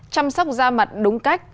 chăm sóc da mặt đúng cách